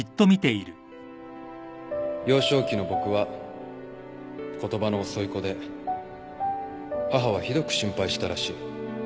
幼少期の僕は言葉の遅い子で母はひどく心配したらしい。